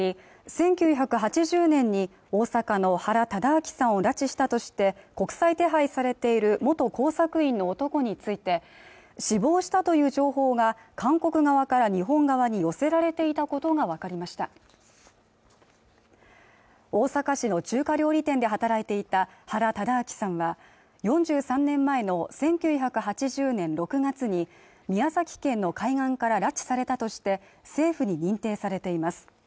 １９８０年に大阪の原さんを拉致したとして国際手配されている元工作員の男について死亡したという情報が韓国側から日本側に寄せられていたことが分かりました大阪市の中華料理店で働いていた原さんは４３年前の１９８０年６月に宮崎県の海岸から拉致されたとして政府に認定されています